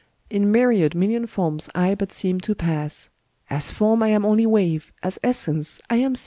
In myriad million forms I but seem to pass : as form I am only Wave ; as essence I am Sea.